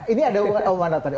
ini ada mana tadi